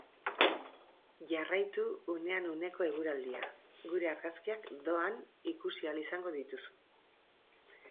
Jarraitu unean uneko eguraldia gure argazkiak doan ikusi ahal izango dituzu.